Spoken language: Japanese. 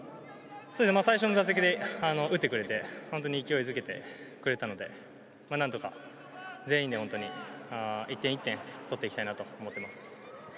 最初の打席で打ってくれて勢いづけてくれたので何とか、全員で１点１点とっていきたいと思っています。